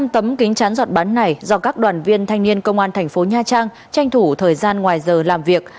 năm tấm kính chắn giọt bắn này do các đoàn viên thanh niên công an thành phố nha trang tranh thủ thời gian ngoài giờ làm việc